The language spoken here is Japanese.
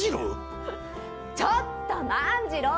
ちょっと万次郎！